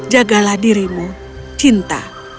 jagalah dirimu cinta